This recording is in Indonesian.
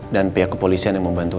dan pihak kepolisian yang membantu